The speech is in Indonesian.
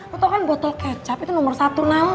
lo tau kan botol kecap itu nomor satu nang